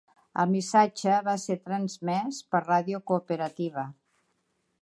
El missatge va ser transmès per Ràdio Cooperativa.